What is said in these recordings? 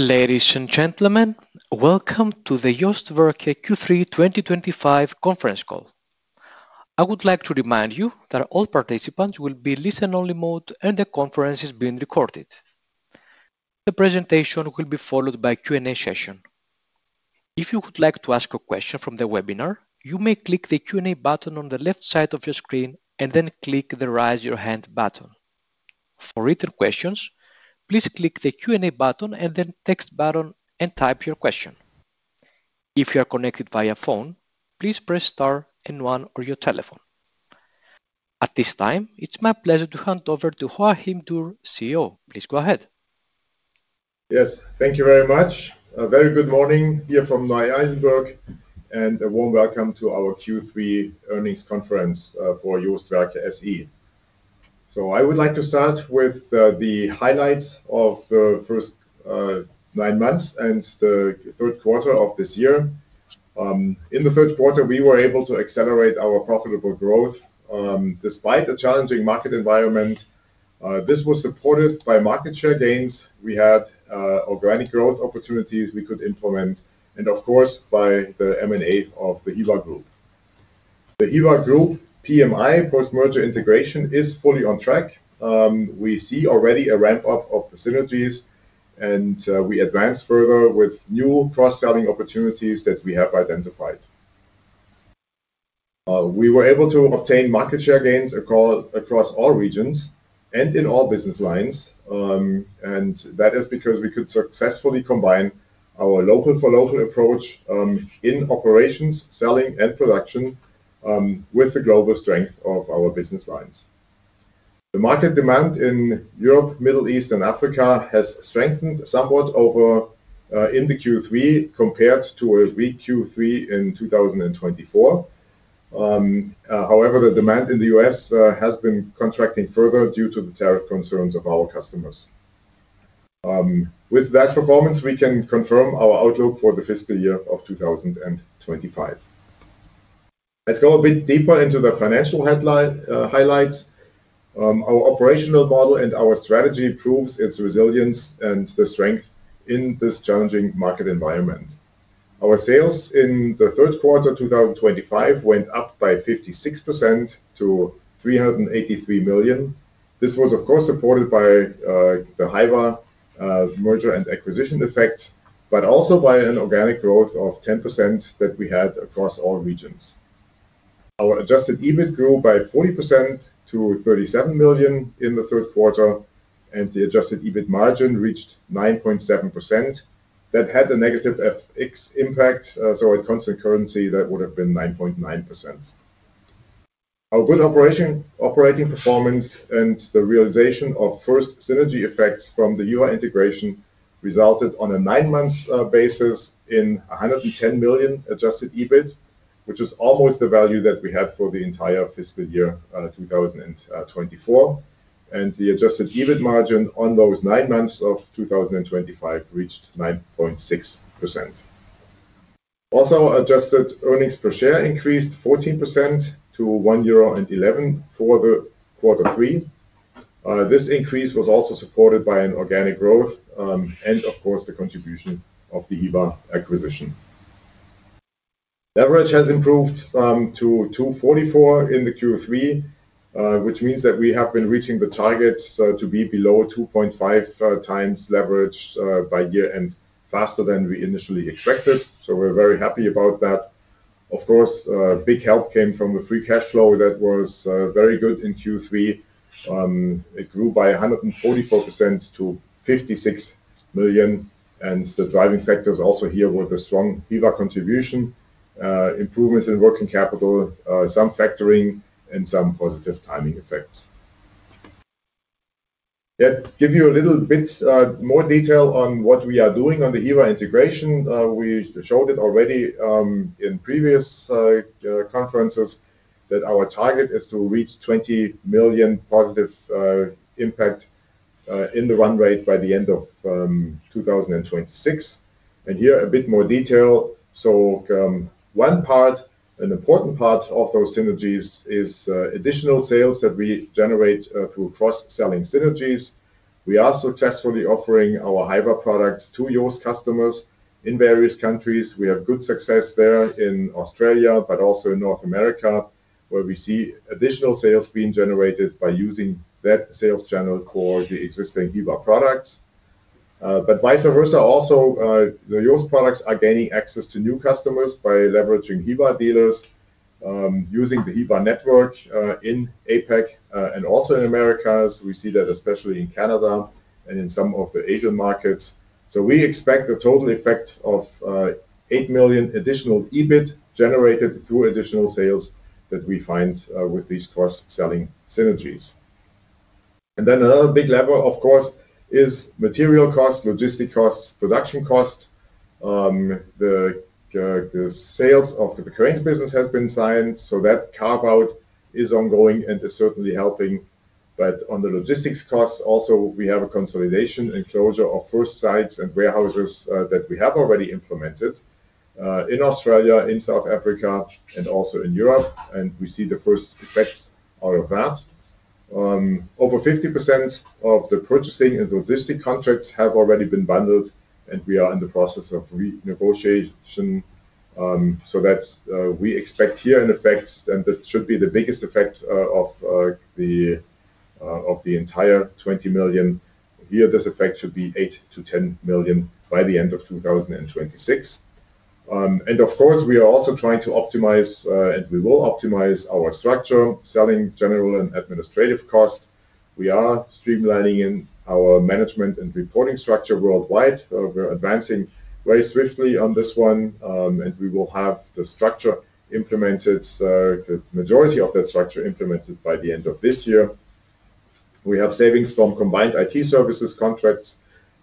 Ladies and gentlemen, welcome to the JOST Werke Q3 2025 conference call. I would like to remind you that all participants will be in listen-only mode and the conference is being recorded. The presentation will be followed by a Q&A session. If you would like to ask a question from the webinar, you may click the Q&A button on the left side of your screen and then click the Raise Your Hand button. For written questions, please click the Q&A button and then text button and type your question. If you are connected via phone, please press Star and 1 on your telephone. At this time, it's my pleasure to hand over to Joachim Dürr, CEO. Please go ahead. Yes, thank you very much. A very good morning here from Neu-Isenburg and a warm welcome to our Q3 earnings conference for JOST Werke SE. I would like to start with the highlights of the first nine months and the third quarter of this year. In the third quarter, we were able to accelerate our profitable growth despite a challenging market environment. This was supported by market share gains. We had organic growth opportunities we could implement and, of course, by the M&A of the Hyva Group. The Hyva Group PMI post-merger integration is fully on track. We see already a ramp-up of the synergies, and we advance further with new cross-selling opportunities that we have identified. We were able to obtain market share gains across all regions and in all business lines, and that is because we could successfully combine our local-for-local approach in operations, selling, and production with the global strength of our business lines. The market demand in Europe, Middle East, and Africa has strengthened somewhat over in the Q3 compared to a weak Q3 in 2024. However, the demand in the U.S. has been contracting further due to the tariff concerns of our customers. With that performance, we can confirm our outlook for the fiscal year of 2025. Let's go a bit deeper into the financial highlights. Our operational model and our strategy prove its resilience and the strength in this challenging market environment. Our sales in the third quarter 2025 went up by 56% to 383 million. This was, of course, supported by the Hyva merger and acquisition effect, but also by an organic growth of 10% that we had across all regions. Our adjusted EBIT grew by 40% to 37 million in the third quarter, and the adjusted EBIT margin reached 9.7%. That had a negative FX impact, so at constant currency, that would have been 9.9%. Our good operating performance and the realization of first synergy effects from the Hyva integration resulted on a nine-month basis in 110 million adjusted EBIT, which is almost the value that we had for the entire fiscal year 2024. The adjusted EBIT margin on those nine months of 2024 reached 9.6%. Also, adjusted earnings per share increased 14% to 1.11 euro for the quarter three. This increase was also supported by an organic growth and, of course, the contribution of the Hyva acquisition. Leverage has improved to 2.44 in the Q3, which means that we have been reaching the targets to be below 2.5x leverage by year-end, faster than we initially expected. We are very happy about that. Of course, a big help came from the free cash flow that was very good in Q3. It grew by 144% to 56 million. The driving factors also here were the strong Hyva contribution, improvements in working capital, some factoring, and some positive timing effects. Let me give you a little bit more detail on what we are doing on the Hyva integration. We showed it already in previous conferences that our target is to reach 20 million positive impact in the run rate by the end of 2026. Here a bit more detail. One part, an important part of those synergies, is additional sales that we generate through cross-selling synergies. We are successfully offering our Hyva products to JOST customers in various countries. We have good success there in Australia, but also in North America, where we see additional sales being generated by using that sales channel for the existing Hyva products. Vice versa, also, the JOST products are gaining access to new customers by leveraging Hyva dealers, using the Hyva network in APAC and also in America. We see that especially in Canada and in some of the Asian markets. We expect the total effect of 8 million additional EBIT generated through additional sales that we find with these cross-selling synergies. Another big lever, of course, is material costs, logistic costs, production costs. The sales of the cranes business have been signed, so that carve-out is ongoing and is certainly helping. On the logistics costs, also, we have a consolidation and closure of first sites and warehouses that we have already implemented in Australia, in South Africa, and also in Europe. We see the first effects out of that. Over 50% of the purchasing and logistic contracts have already been bundled, and we are in the process of renegotiation. We expect here, in effect, that should be the biggest effect of the entire 20 million. Here, this effect should be 8 million-10 million by the end of 2026. Of course, we are also trying to optimize, and we will optimize, our structure, selling general and administrative costs. We are streamlining our management and reporting structure worldwide. We are advancing very swiftly on this one, and we will have the structure implemented, the majority of that structure implemented by the end of this year. We have savings from combined IT services contracts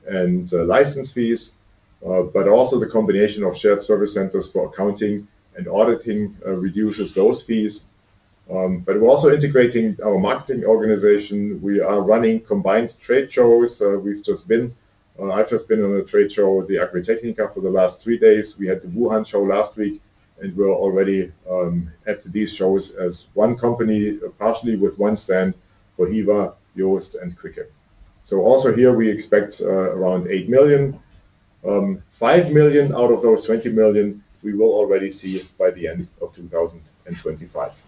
and license fees, but also the combination of shared service centers for accounting and auditing reduces those fees. We are also integrating our marketing organization. We are running combined trade shows. I've just been on a trade show, the Agritechnica for the last three days. We had the Wuhan show last week, and we are already at these shows as one company, partially with one stand for Hyva, JOST, and Quicke. Here, we expect around 8 million. 5 million out of those 20 million, we will already see by the end of 2025.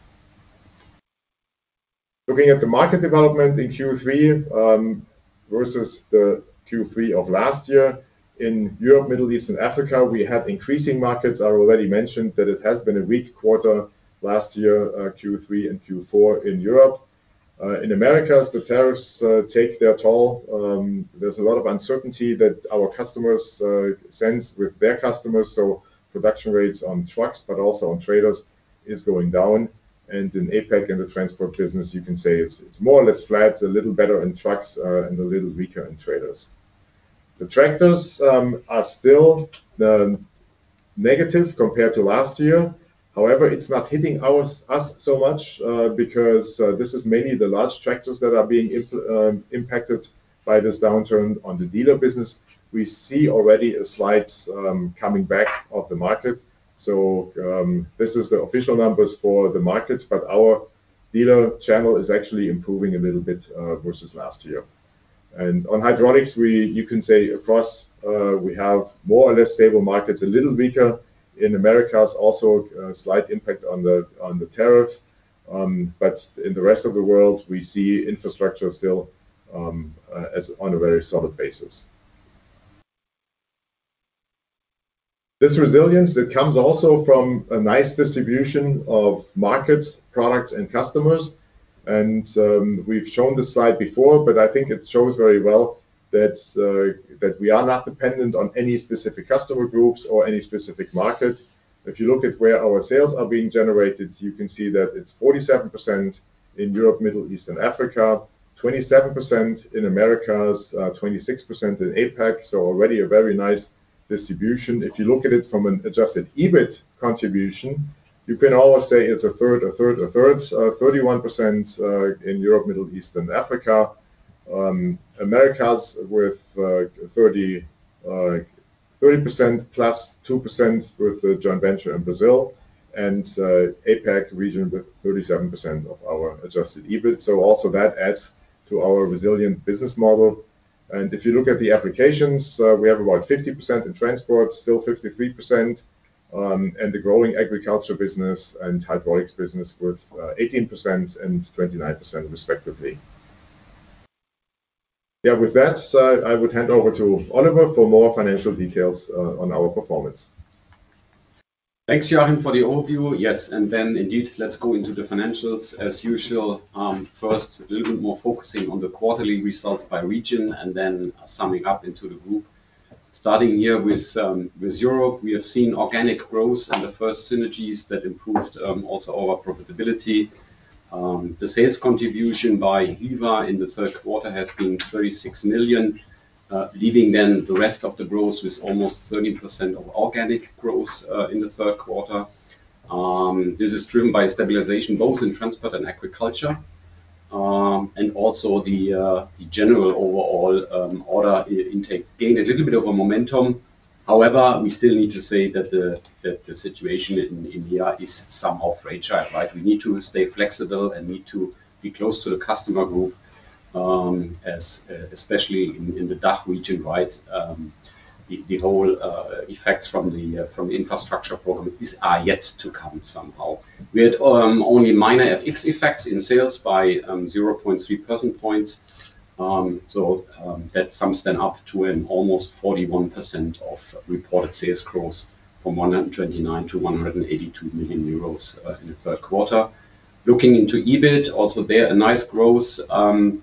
Looking at the market development in Q3 versus the Q3 of last year, in Europe, Middle East, and Africa, we had increasing markets. I already mentioned that it has been a weak quarter last year, Q3 and Q4 in Europe. In America, as the tariffs take their toll, there's a lot of uncertainty that our customers sense with their customers. Production rates on trucks, but also on trailers, are going down. In APAC and the transport business, you can say it's more or less flat, a little better in trucks and a little weaker in trailers. The tractors are still negative compared to last year. However, it's not hitting us so much because this is mainly the large tractors that are being impacted by this downturn on the dealer business. We see already a slight coming back of the market. This is the official numbers for the markets, but our dealer channel is actually improving a little bit versus last year. On hydraulics, you can say across we have more or less stable markets, a little weaker in America, also a slight impact on the tariffs. In the rest of the world, we see infrastructure still on a very solid basis. This resilience, it comes also from a nice distribution of markets, products, and customers. We have shown this slide before, but I think it shows very well that we are not dependent on any specific customer groups or any specific market. If you look at where our sales are being generated, you can see that it is 47% in Europe, Middle East, and Africa, 27% in America, 26% in APAC. Already a very nice distribution. If you look at it from an adjusted EBIT contribution, you can always say it is a third, a third, a third, 31% in Europe, Middle East, and Africa, Americas with 30% +2% with the joint venture in Brazil, and APAC region with 37% of our adjusted EBIT. That also adds to our resilient business model. If you look at the applications, we have about 50% in transport, still 53%, and the growing agriculture business and hydraulics business with 18% and 29%, respectively. Yeah, with that, I would hand over to Oliver for more financial details on our performance. Thanks, Joachim, for the overview. Yes, and then indeed, let's go into the financials as usual. First, a little bit more focusing on the quarterly results by region and then summing up into the group. Starting here with Europe, we have seen organic growth and the first synergies that improved also our profitability. The sales contribution by Hyva in the third quarter has been 36 million, leaving then the rest of the growth with almost 30% of organic growth in the third quarter. This is driven by stabilization both in transport and agriculture and also the general overall order intake gained a little bit of a momentum. However, we still need to say that the situation in here is somehow fragile. We need to stay flexible and need to be close to the customer group, especially in the DACH region. The whole effects from the infrastructure program are yet to come somehow. We had only minor FX effects in sales by 0.3 percentage points. That sums then up to almost 41% of reported sales growth from 129 million to 182 million euros in the third quarter. Looking into EBIT, also there, a nice growth from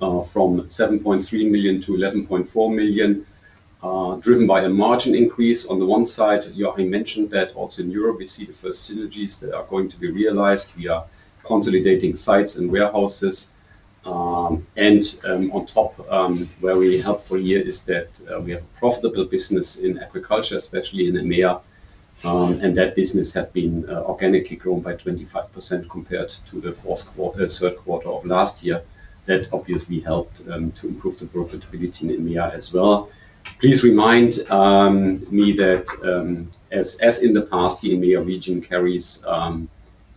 7.3 million to 11.4 million, driven by a margin increase on the one side. Joachim mentioned that also in Europe, we see the first synergies that are going to be realized. We are consolidating sites and warehouses. On top, very helpful here is that we have a profitable business in agriculture, especially in EMEA, and that business has been organically grown by 25% compared to the third quarter of last year. That obviously helped to improve the profitability in EMEA as well. Please remind me that as in the past, the EMEA region carries,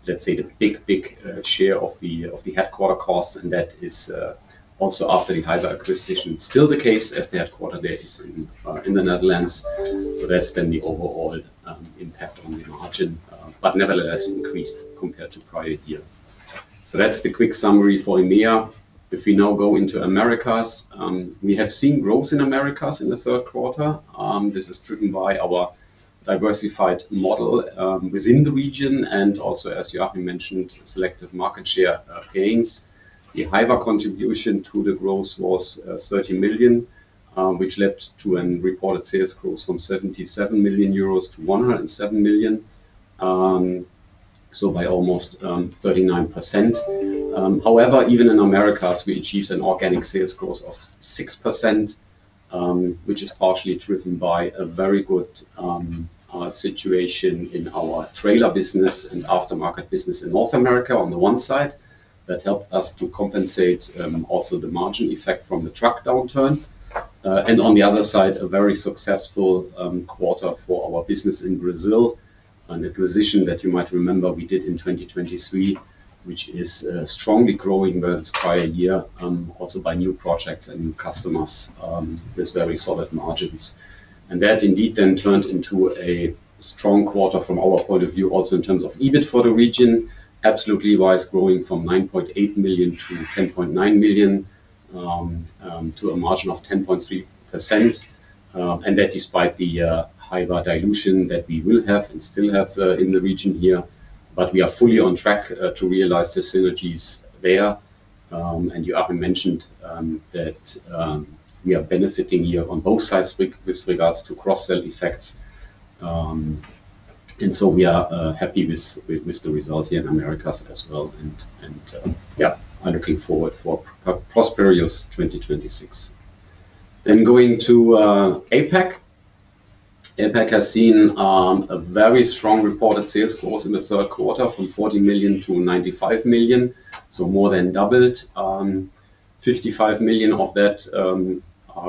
let's say, the big, big share of the headquarter costs, and that is also after the Hyva acquisition still the case as the headquarter there is in the Netherlands. That is then the overall impact on the margin, but nevertheless increased compared to prior year. That is the quick summary for EMEA. If we now go into Americas, we have seen growth in Americas in the third quarter. This is driven by our diversified model within the region and also, as Joachim mentioned, selective market share gains. The Hyva contribution to the growth was 30 million, which led to a reported sales growth from 77 million euros to 107 million, so by almost 39%. However, even in Americas, we achieved an organic sales growth of 6%, which is partially driven by a very good situation in our trailer business and aftermarket business in North America on the one side. That helped us to compensate also the margin effect from the truck downturn. On the other side, a very successful quarter for our business in Brazil, an acquisition that you might remember we did in 2023, which is strongly growing versus prior year, also by new projects and new customers with very solid margins. That indeed then turned into a strong quarter from our point of view, also in terms of EBIT for the region, absolutely wise growing from 9.8 million to 10.9 million to a margin of 10.3%. That is despite the Hyva dilution that we will have and still have in the region here, but we are fully on track to realize the synergies there. Joachim mentioned that we are benefiting here on both sides with regards to cross-sell effects. We are happy with the results here in Americas as well. Yeah, I am looking forward for prosperous 2026. Going to APAC, APAC has seen very strong reported sales growth in the third quarter from 40 million to 95 million, so more than doubled. 55 million of that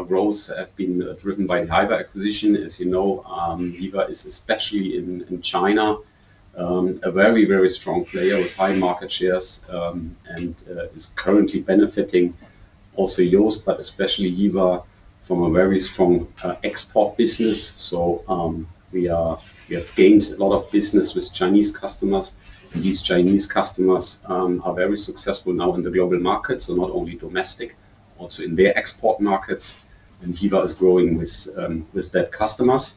growth has been driven by the Hyva acquisition. As you know, Hyva is especially in China a very, very strong player with high market shares and is currently benefiting also JOST, but especially Hyva from a very strong export business. We have gained a lot of business with Chinese customers. These Chinese customers are very successful now in the global markets, not only domestic, also in their export markets. Hyva is growing with that customers,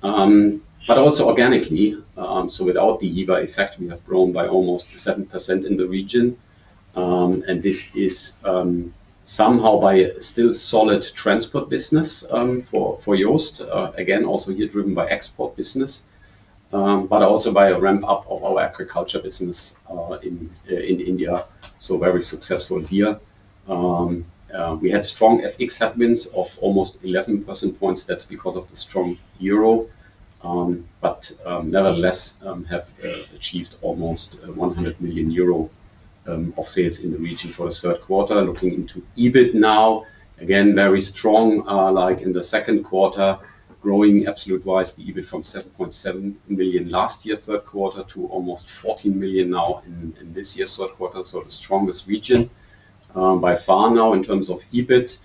but also organically. Without the Hyva effect, we have grown by almost 7% in the region. This is somehow by still solid transport business for JOST, again, also here driven by export business, but also by a ramp-up of our agriculture business in India. Very successful here. We had strong FX headwinds of almost 11% points. That is because of the strong euro. Nevertheless, have achieved almost 100 million euro of sales in the region for the third quarter. Looking into EBIT now, again, very strong, like in the second quarter, growing absolute wise, the EBIT from 7.7 million last year's third quarter to almost 14 million now in this year's third quarter. The strongest region by far now in terms of EBIT.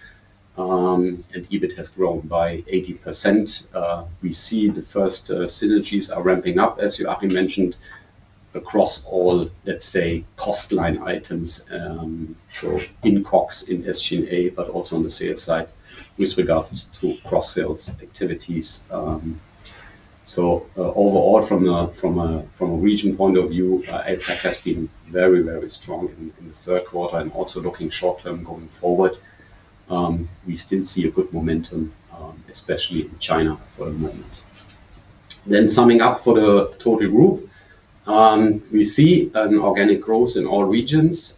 EBIT has grown by 80%. We see the first synergies are ramping up, as Joachim mentioned, across all, let's say, cost line items, in COGS, in SG&A, but also on the sales side with regards to cross-sales activities. Overall, from a region point of view, APAC has been very, very strong in the third quarter and also looking short-term going forward. We still see good momentum, especially in China for the moment. Summing up for the total group, we see organic growth in all regions.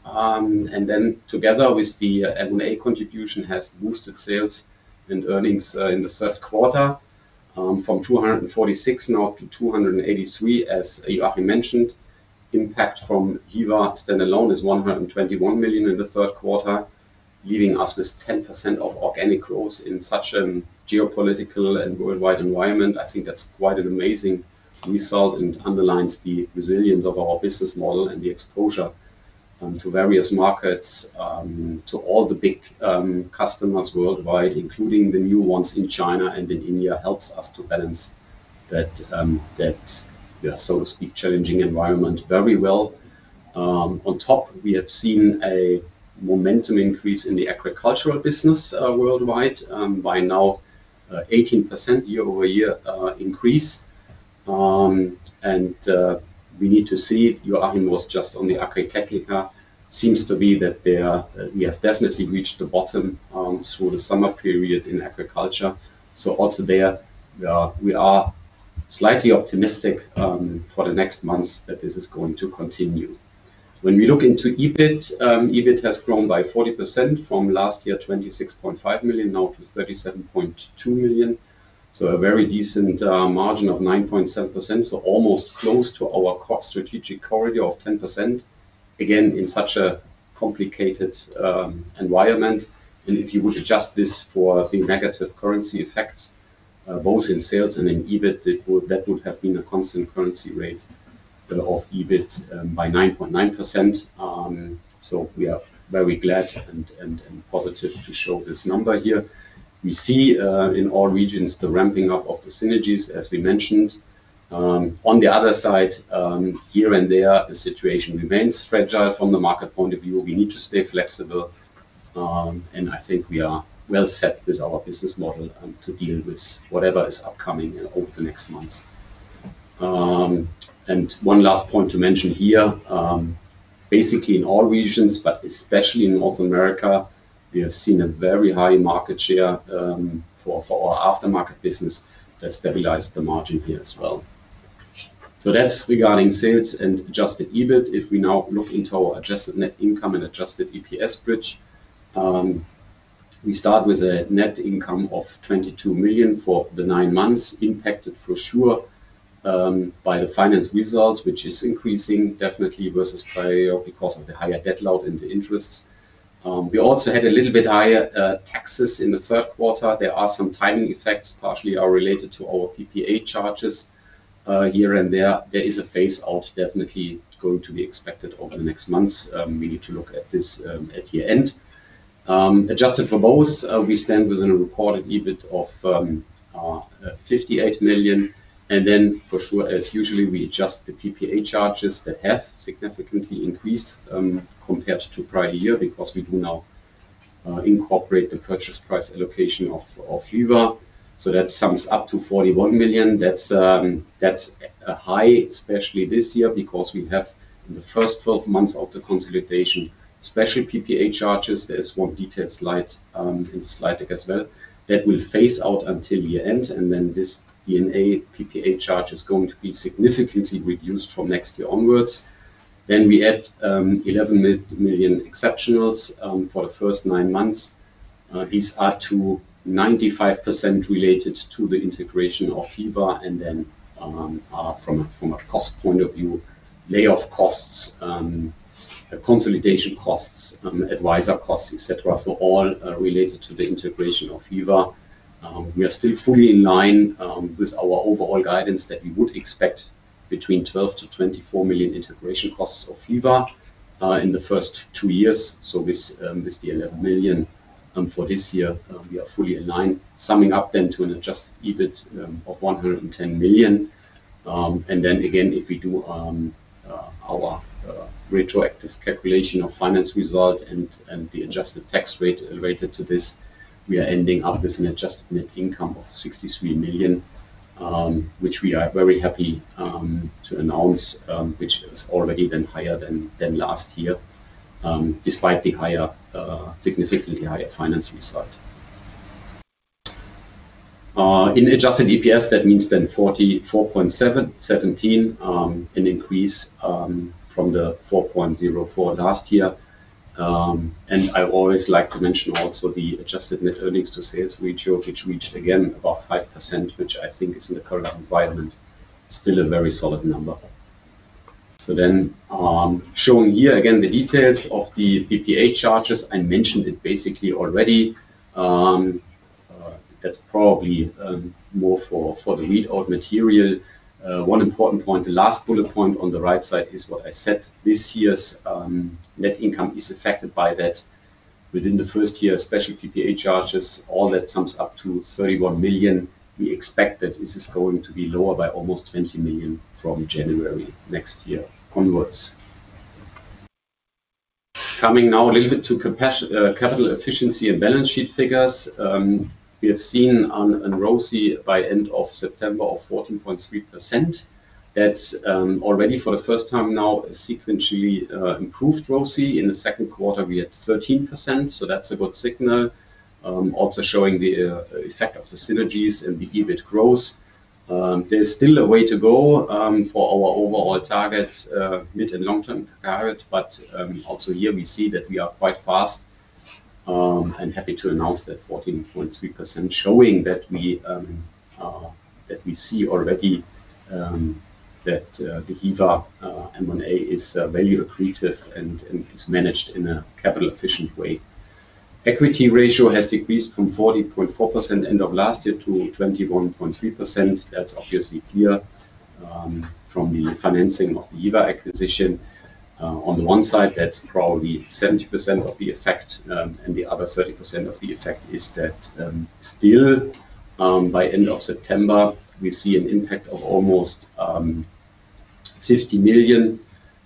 Together with the M&A contribution, this has boosted sales and earnings in the third quarter from 246 million to 283 million, as Joachim mentioned. Impact from Hyva standalone is 121 million in the third quarter, leaving us with 10% of organic growth in such a geopolitical and worldwide environment. I think that's quite an amazing result and underlines the resilience of our business model and the exposure to various markets, to all the big customers worldwide, including the new ones in China and in India, helps us to balance that, so to speak, challenging environment very well. On top, we have seen a momentum increase in the agricultural business worldwide by now, 18% year-over-year increase. We need to see Joachim was just on the Agritechnica; seems to be that we have definitely reached the bottom through the summer period in agriculture. Also there, we are slightly optimistic for the next months that this is going to continue. When we look into EBIT, EBIT has grown by 40% from last year, 26.5 million, now to 37.2 million. A very decent margin of 9.7%, almost close to our COGS strategic corridor of 10%, again, in such a complicated environment. If you would adjust this for the negative currency effects, both in sales and in EBIT, that would have been a constant currency rate of EBIT by 9.9%. We are very glad and positive to show this number here. We see in all regions the ramping up of the synergies, as we mentioned. On the other side, here and there, the situation remains fragile from the market point of view. We need to stay flexible. I think we are well set with our business model to deal with whatever is upcoming over the next months. One last point to mention here, basically in all regions, but especially in North America, we have seen a very high market share for our aftermarket business that stabilized the margin here as well. That is regarding sales and adjusted EBIT. If we now look into our adjusted net income and adjusted EPS bridge, we start with a net income of 22 million for the nine months, impacted for sure by the finance results, which is increasing definitely versus prior year because of the higher debt load and the interests. We also had a little bit higher taxes in the third quarter. There are some timing effects, partially related to our PPA charges here and there. There is a phase-out definitely going to be expected over the next months. We need to look at this at year-end. Adjusted for both, we stand within a reported EBIT of 58 million. For sure, as usual, we adjust the PPA charges that have significantly increased compared to prior year because we do now incorporate the purchase price allocation of Hyva. That sums up to 41 million. That is high, especially this year because we have in the first 12 months of the consolidation, special PPA charges. There is one detailed slide in the slide deck as well that will phase out until year-end. This D&A PPA charge is going to be significantly reduced from next year onwards. We add 11 million exceptionals for the first nine months. These are to 95% related to the integration of Hyva and from a cost point of view, layoff costs, consolidation costs, advisor costs, etc. All related to the integration of Hyva. We are still fully in line with our overall guidance that we would expect between 12 million and 24 million integration costs of Hyva in the first two years. With the 11 million for this year, we are fully in line. Summing up then to an adjusted EBIT of 110 million. If we do our retroactive calculation of finance result and the adjusted tax rate related to this, we are ending up with an adjusted net income of 63 million, which we are very happy to announce, which is already then higher than last year, despite the significantly higher finance result. In adjusted EPS, that means then 4.17, an increase from the 4.04 last year. I always like to mention also the adjusted net earnings to sales ratio, which reached again above 5%, which I think is in the current environment still a very solid number. Showing here again the details of the PPA charges, I mentioned it basically already. That is probably more for the readout material. One important point, the last bullet point on the right side is what I said. This year's net income is affected by that. Within the first year, special PPA charges, all that sums up to 31 million. We expect that this is going to be lower by almost 20 million from January next year onwards. Coming now a little bit to capital efficiency and balance sheet figures. We have seen on ROSI by end of September of 14.3%. That is already for the first time now a sequentially improved ROSI. In the second quarter, we had 13%. That is a good signal, also showing the effect of the synergies and the EBIT growth. There is still a way to go for our overall target, mid and long-term target. Here we see that we are quite fast and happy to announce that 14.3%, showing that we see already that the Hyva M&A is very lucrative and is managed in a capital-efficient way. Equity ratio has decreased from 40.4% end of last year to 21.3%. That is obviously clear from the financing of the Hyva acquisition. On the one side, that is probably 70% of the effect. The other 30% of the effect is that still by end of September, we see an impact of almost 50 million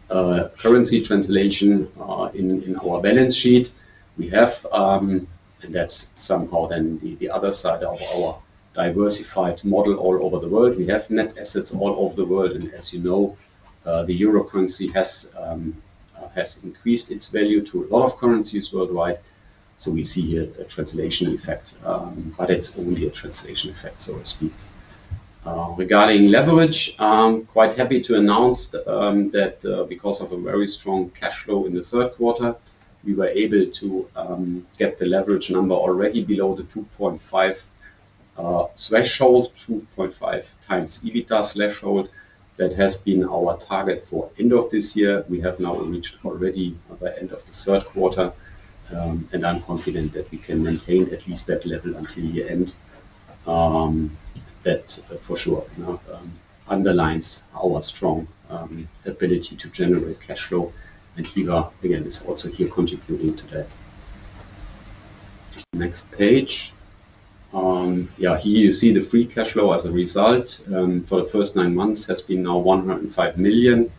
currency translation in our balance sheet. We have, and that is somehow then the other side of our diversified model all over the world. We have net assets all over the world. As you know, the euro currency has increased its value to a lot of currencies worldwide. We see a translation effect, but it is only a translation effect, so to speak. Regarding leverage, quite happy to announce that because of a very strong cash flow in the third quarter, we were able to get the leverage number already below the 2.5x threshold, 2.5x EBITDA threshold. That has been our target for end of this year. We have now reached already by end of the third quarter. I am confident that we can maintain at least that level until year-end. That for sure underlines our strong ability to generate cash flow. And Hyva, again, is also here contributing to that. Next page. Here you see the free cash flow as a result. For the first nine months, it has been now 105 million.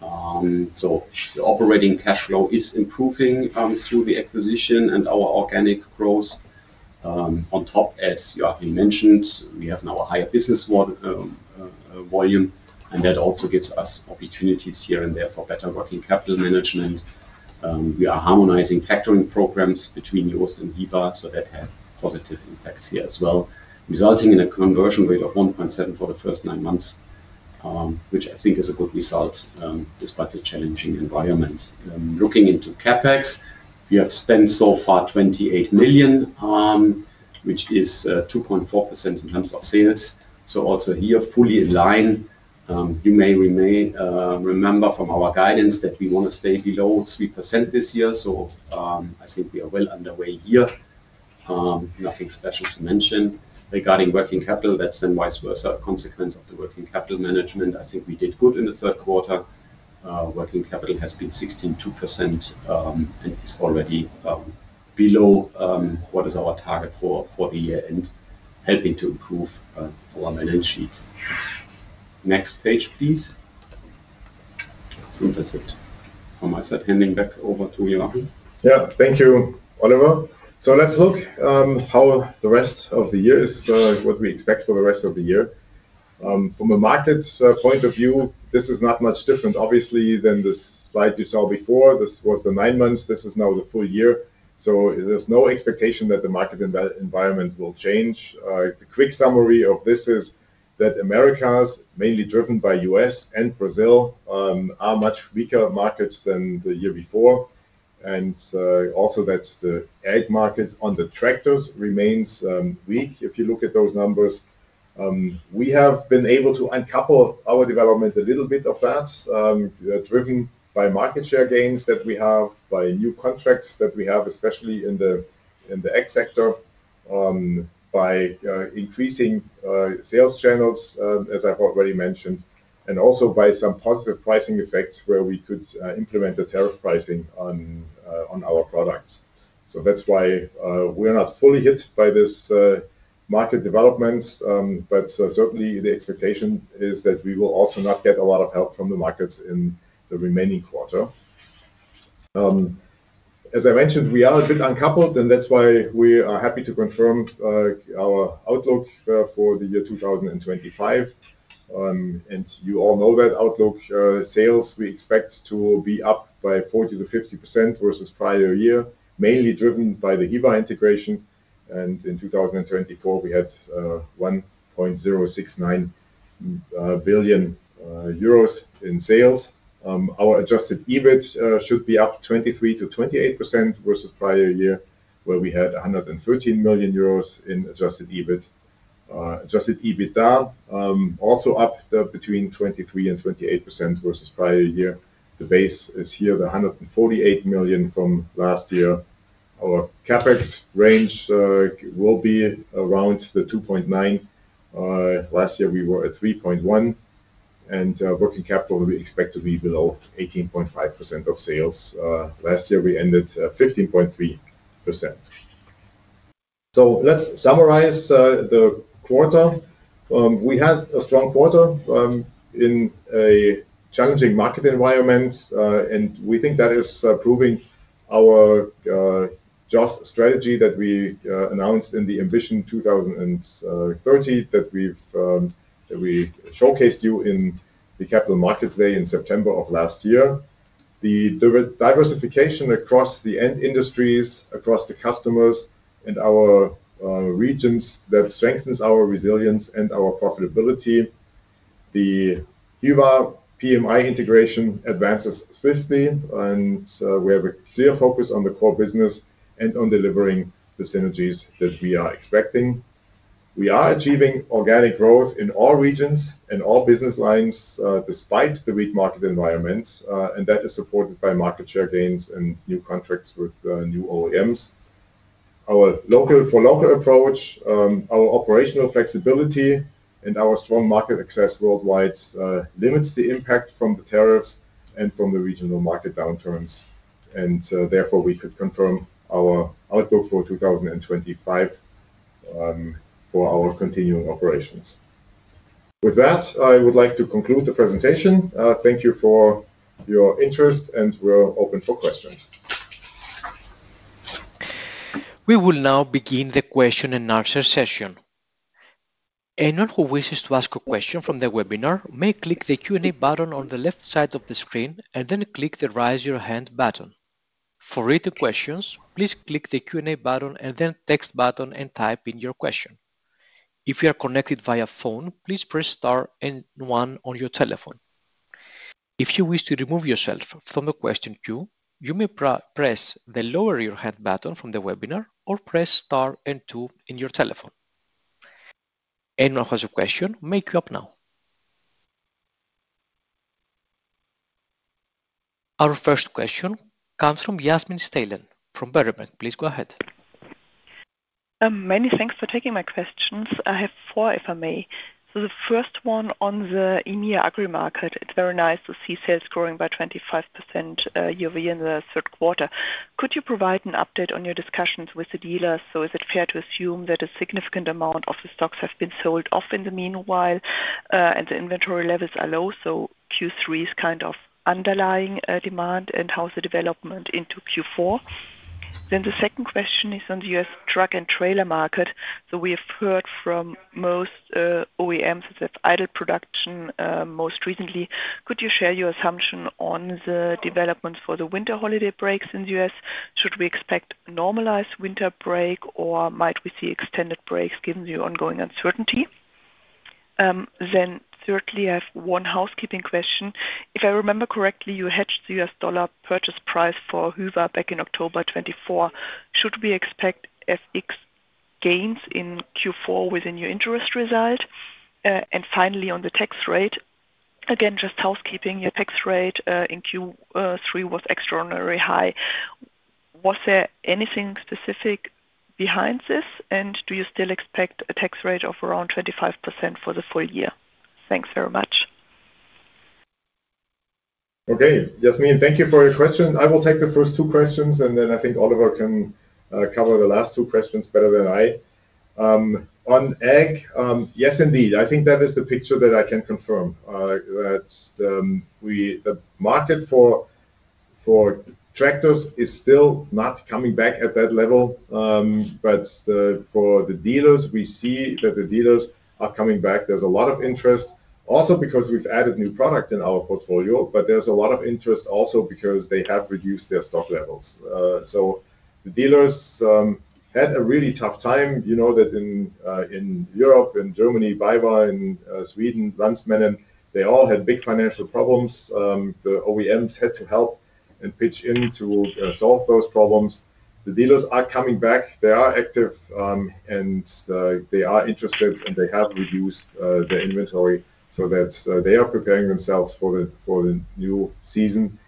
The operating cash flow is improving through the acquisition and our organic growth. On top, as Joachim mentioned, we have now a higher business volume. That also gives us opportunities here and there for better working capital management. We are harmonizing factoring programs between JOST and Hyva, so that had positive impacts here as well, resulting in a conversion rate of 1.7 for the first nine months, which I think is a good result despite the challenging environment. Looking into CapEx, we have spent so far 28 million, which is 2.4% in terms of sales. Also here, fully in line. You may remember from our guidance that we want to stay below 3% this year. I think we are well underway here. Nothing special to mention. Regarding working capital, that is then vice versa, a consequence of the working capital management. I think we did good in the third quarter. Working capital has been 16.2% and is already below what is our target for the year-end, helping to improve our balance sheet. Next page, please. That's it from my side. Handing back over to Joachim. Yeah, thank you, Oliver. Let's look how the rest of the year is, what we expect for the rest of the year. From a market point of view, this is not much different, obviously, than the slide you saw before. This was the nine months. This is now the full year. There is no expectation that the market environment will change. The quick summary of this is that Americas, mainly driven by U.S. and Brazil, are much weaker markets than the year before. Also, the ag markets on the tractors remains weak if you look at those numbers. We have been able to uncouple our development a little bit of that, driven by market share gains that we have, by new contracts that we have, especially in the ag sector, by increasing sales channels, as I've already mentioned, and also by some positive pricing effects where we could implement a tariff pricing on our products. That is why we're not fully hit by this market development. Certainly, the expectation is that we will also not get a lot of help from the markets in the remaining quarter. As I mentioned, we are a bit uncoupled, and that is why we are happy to confirm our outlook for the year 2025. You all know that outlook. Sales, we expect to be up by 40%-50% versus prior year, mainly driven by the Hyva integration. In 2024, we had 1.069 billion euros in sales. Our adjusted EBIT should be up 23%-28% versus prior year, where we had 113 million euros in adjusted EBIT. Adjusted EBITDA also up between 23% and 28% versus prior year. The base is here at 148 million from last year. Our CapEx range will be around 2.9%. Last year, we were at 3.1%. Working capital, we expect to be below 18.5% of sales. Last year, we ended 15.3%. Let's summarize the quarter. We had a strong quarter in a challenging market environment. We think that is proving our JOST strategy that we announced in the Ambition 2030 that we showcased to you in the Capital Markets Day in September of last year. The diversification across the end industries, across the customers and our regions, that strengthens our resilience and our profitability. The Hyva PMI integration advances swiftly. We have a clear focus on the core business and on delivering the synergies that we are expecting. We are achieving organic growth in all regions and all business lines despite the weak market environment. That is supported by market share gains and new contracts with new OEMs. For local approach, our operational flexibility and our strong market access worldwide limits the impact from the tariffs and from the regional market downturns. Therefore, we could confirm our outlook for 2025 for our continuing operations. With that, I would like to conclude the presentation. Thank you for your interest, and we're open for questions. We will now begin the question and answer session. Anyone who wishes to ask a question from the webinar may click the Q&A button on the left side of the screen and then click the Raise Your Hand button. For written questions, please click the Q&A button and then text button and type in your question. If you are connected via phone, please press Star and 1 on your telephone. If you wish to remove yourself from the question queue, you may press the Lower Your Hand button from the webinar or press Star and 2 on your telephone. Anyone who has a question, make you up now. Our first question comes from Yasmin Steilen from Berenberg. Please go ahead. Many thanks for taking my questions. I have four, if I may. The first one on the EMEA agrimarket, it's very nice to see sales growing by 25% year-over-year in the third quarter. Could you provide an update on your discussions with the dealers? Is it fair to assume that a significant amount of the stocks have been sold off in the meanwhile and the inventory levels are low? Q3 is kind of underlying demand and how is the development into Q4? The second question is on the U.S. truck and trailer market. We have heard from most OEMs that have idle production most recently. Could you share your assumption on the developments for the winter holiday breaks in the U.S.? Should we expect normalized winter break, or might we see extended breaks given the ongoing uncertainty? Thirdly, I have one housekeeping question. If I remember correctly, you hedged the U.S. dollar purchase price for Hyva back in October 2024. Should we expect FX gains in Q4 with a new interest result? Finally, on the tax rate, again, just housekeeping, your tax rate in Q3 was extraordinarily high. Was there anything specific behind this? And do you still expect a tax rate of around 25% for the full year? Thanks very much. Okay. Yasmin, thank you for your question. I will take the first two questions, and then I think Oliver can cover the last two questions better than I. On ag, yes, indeed. I think that is the picture that I can confirm. The market for tractors is still not coming back at that level. For the dealers, we see that the dealers are coming back. There is a lot of interest, also because we have added new products in our portfolio, but there is a lot of interest also because they have reduced their stock levels. The dealers had a really tough time. You know that in Europe, in Germany, BayWa, in Sweden, Lantmännen, they all had big financial problems. The OEMs had to help and pitch in to solve those problems. The dealers are coming back. They are active, and they are interested, and they have reduced their inventory so that they are preparing themselves for the new season.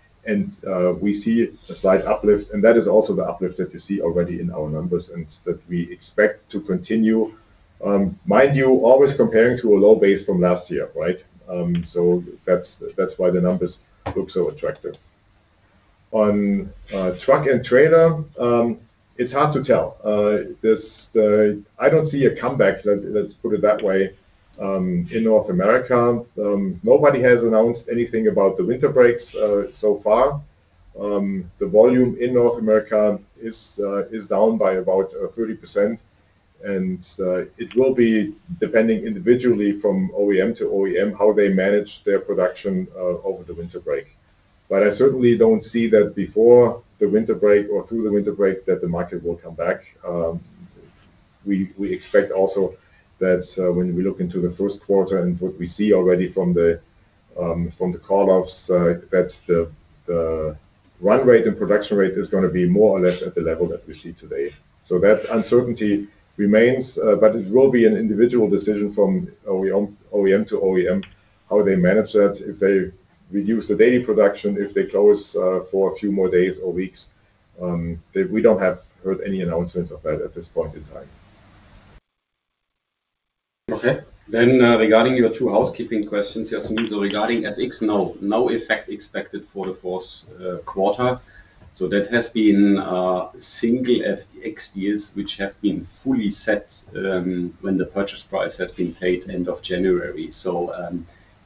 We see a slight uplift. That is also the uplift that you see already in our numbers and that we expect to continue. Mind you, always comparing to a low base from last year, right? That is why the numbers look so attractive. On truck and trailer, it is hard to tell. I do not see a comeback, let's put it that way, in North America. Nobody has announced anything about the winter breaks so far. The volume in North America is down by about 30%. It will be depending individually from OEM to OEM how they manage their production over the winter break. I certainly do not see that before the winter break or through the winter break that the market will come back. We expect also that when we look into the first quarter and what we see already from the call-offs, that the run rate and production rate is going to be more or less at the level that we see today. That uncertainty remains, but it will be an individual decision from OEM to OEM how they manage that, if they reduce the daily production, if they close for a few more days or weeks. We have not heard any announcements of that at this point in time. Okay. Regarding your two housekeeping questions, Yasmin, regarding FX, no effect expected for the fourth quarter. That has been single FX deals which have been fully set when the purchase price has been paid end of January.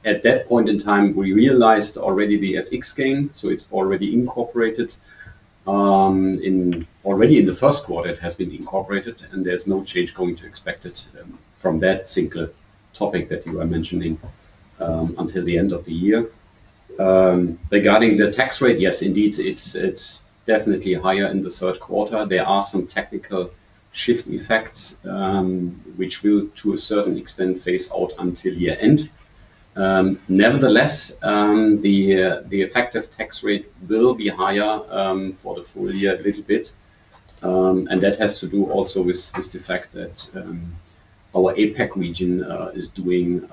At that point in time, we realized already the FX gain. It is already incorporated. Already in the first quarter, it has been incorporated, and there is no change going to be expected from that single topic that you are mentioning until the end of the year. Regarding the tax rate, yes, indeed, it is definitely higher in the third quarter. There are some technical shift effects which will, to a certain extent, phase out until year-end. Nevertheless, the effective tax rate will be higher for the full year a little bit. That has to do also with the fact that our APAC region is doing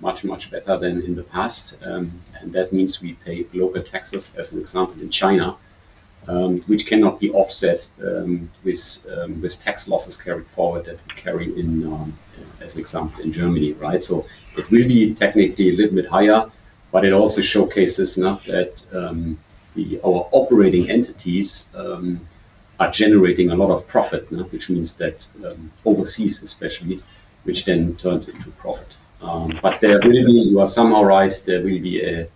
much, much better than in the past. That means we pay global taxes, as an example, in China, which cannot be offset with tax losses carried forward that we carry in, as an example, in Germany, right? It will be technically a little bit higher, but it also showcases that our operating entities are generating a lot of profit, which means that overseas, especially, which then turns into profit. There will be, you are somehow right, there will be a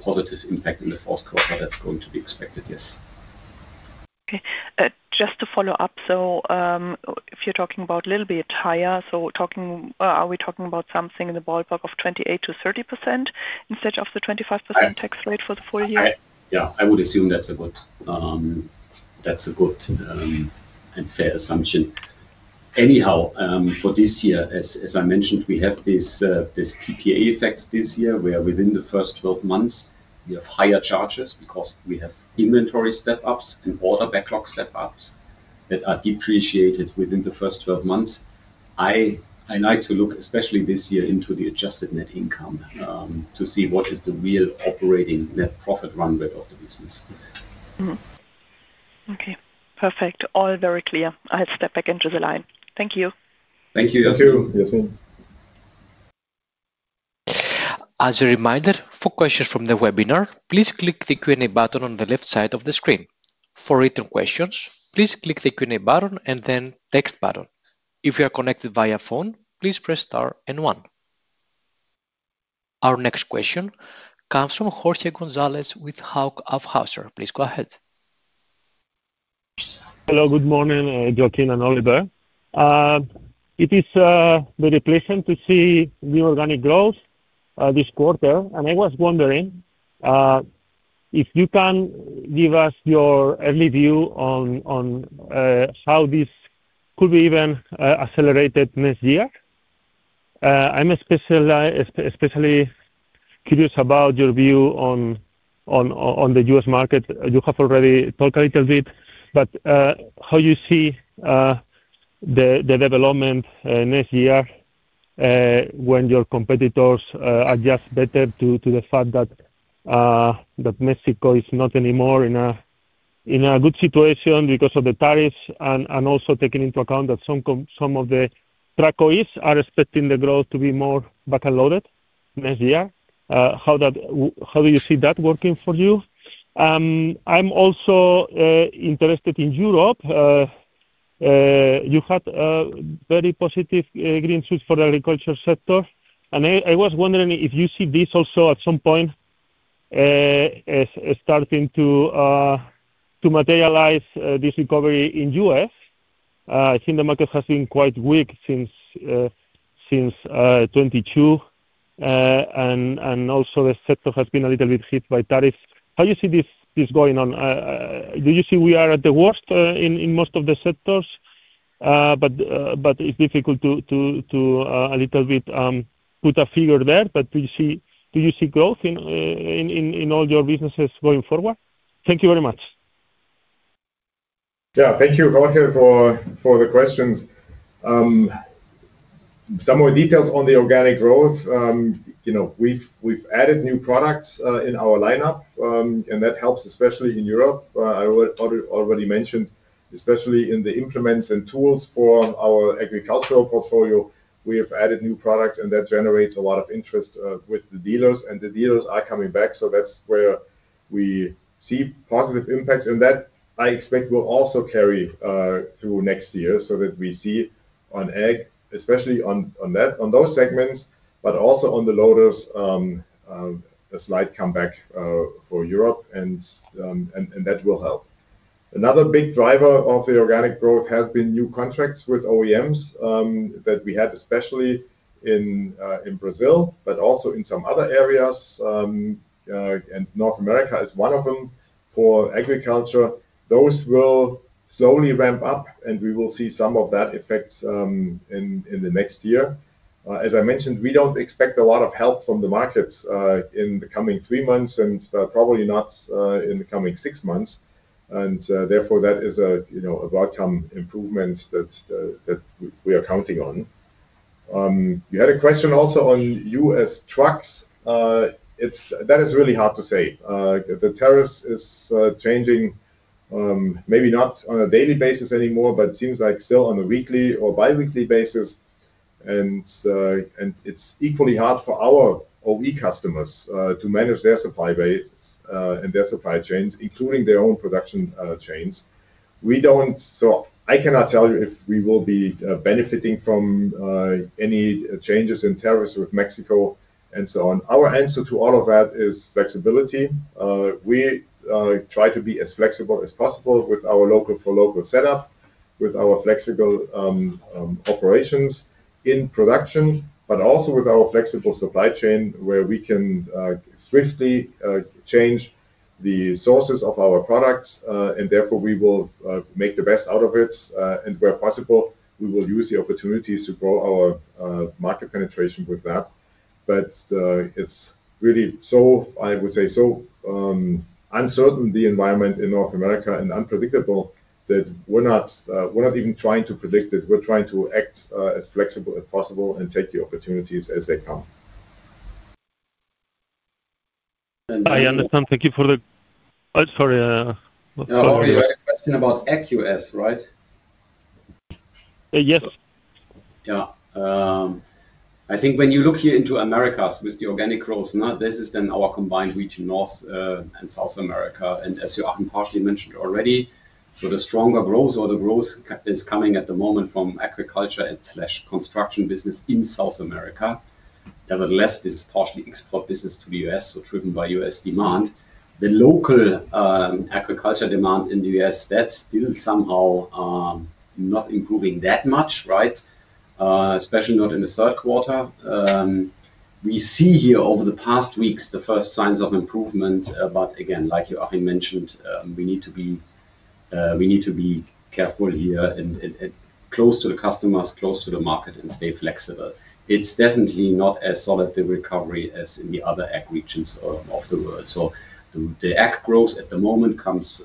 positive impact in the fourth quarter that is going to be expected, yes. Okay. Just to follow up, if you are talking about a little bit higher, are we talking about something in the ballpark of 28%-30% instead of the 25% tax rate for the full year? Yeah, I would assume that is a good and fair assumption. Anyhow, for this year, as I mentioned, we have this PPA effect this year where within the first 12 months, we have higher charges because we have inventory step-ups and order backlog step-ups that are depreciated within the first 12 months. I like to look, especially this year, into the adjusted net income to see what is the real operating net profit run rate of the business. Okay. Perfect. All very clear. I'll step back into the line. Thank you. Thank you. You too, Yasmin. As a reminder, for questions from the webinar, please click the Q&A button on the left side of the screen. For written questions, please click the Q&A button and then text button. If you are connected via phone, please press Star and 1. Our next question comes from Jorge González with Hauck Aufhäuser Lampe. Please go ahead. Hello, good morning, Joachim and Oliver. It is very pleasant to see new organic growth this quarter. And I was wondering if you can give us your early view on how this could be even accelerated next year. I'm especially curious about your view on the U.S. market. You have already talked a little bit, but how do you see the development next year when your competitors adjust better to the fact that Mexico is not anymore in a good situation because of the tariffs and also taking into account that some of the truck OEMs are expecting the growth to be more back-loaded next year? How do you see that working for you? I'm also interested in Europe. You had very positive green shoots for the agriculture sector. I was wondering if you see this also at some point starting to materialize, this recovery in the U.S. I think the market has been quite weak since 2022. Also, the sector has been a little bit hit by tariffs. How do you see this going on? Do you see we are at the worst in most of the sectors? It's difficult to a little bit put a figure there. Do you see growth in all your businesses going forward? Thank you very much. Yeah, thank you, Jorge, for the questions. Some more details on the organic growth. We've added new products in our lineup, and that helps especially in Europe. I already mentioned, especially in the implements and tools for our agricultural portfolio, we have added new products, and that generates a lot of interest with the dealers. The dealers are coming back, so that's where we see positive impacts. That, I expect, will also carry through next year so that we see on ag, especially on those segments, but also on the loaders, a slight comeback for Europe, and that will help. Another big driver of the organic growth has been new contracts with OEMs that we had, especially in Brazil, but also in some other areas. North America is one of them for agriculture. Those will slowly ramp up, and we will see some of that effect in the next year. As I mentioned, we do not expect a lot of help from the markets in the coming three months and probably not in the coming six months. Therefore, that is a welcome improvement that we are counting on. You had a question also on U.S. trucks. That is really hard to say. The tariffs are changing, maybe not on a daily basis anymore, but it seems like still on a weekly or biweekly basis. It is equally hard for our OE customers to manage their supply base and their supply chains, including their own production chains. I cannot tell you if we will be benefiting from any changes in tariffs with Mexico and so on. Our answer to all of that is flexibility. We try to be as flexible as possible with our local-for-local setup, with our flexible operations in production, but also with our flexible supply chain where we can swiftly change the sources of our products. Therefore, we will make the best out of it. Where possible, we will use the opportunities to grow our market penetration with that. It is really, I would say, so uncertain, the environment in North America and unpredictable that we are not even trying to predict it. We are trying to act as flexible as possible and take the opportunities as they come. I understand. Thank you for the—sorry. No, you had a question about ag U.S., right? Yes. Yeah. I think when you look here into Americas with the organic growth, this is then our combined region, North and South America. As you partially mentioned already, the stronger growth or the growth is coming at the moment from agriculture/construction business in South America. Nevertheless, this is partially export business to the U.S., driven by U.S. demand. The local agriculture demand in the U.S., that's still somehow not improving that much, right? Especially not in the third quarter. We see here over the past weeks the first signs of improvement. Like Joachim mentioned, we need to be careful here and close to the customers, close to the market, and stay flexible. It is definitely not as solid the recovery as in the other ag regions of the world. The ag growth at the moment comes